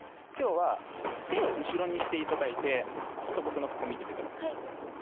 今日は手を後ろにして頂いてちょっと僕のここ見てて下さい。